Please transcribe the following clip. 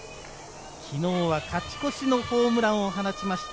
昨日は勝ち越しのホームランを放ちました。